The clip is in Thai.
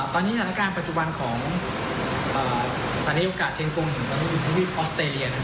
ตอนนี้สถานการณ์ปัจจุบันของสถานีโอกาสเชียงกงอยู่ตอนนี้อยู่ทวีปออสเตรเลีย